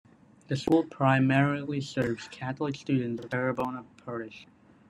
The school primarily serves Catholic students of Terrebonne Parish.